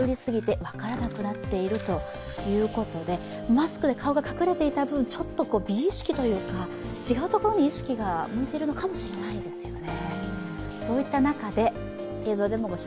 マスクで顔が隠れていた分、ちょっと美意識というか違うところに意識が向いているのかもしれないですよね。